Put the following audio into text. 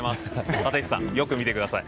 立石さん、よく見てください。